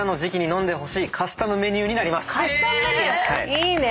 いいね。